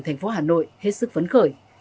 thành phố hà nội hết sức phấn khởi